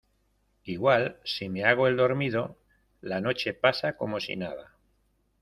igual, si me hago el dormido , la noche pasa como si nada.